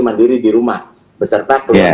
mandiri di rumah beserta